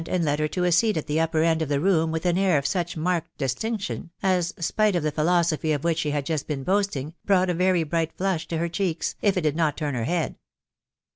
457 led her to a seat at the upper end of the room with an air of such marked distinction, as, spite of the philosophy of which she had just been boasting, brought a very bright flush to her cheeks, if it did not turn her head.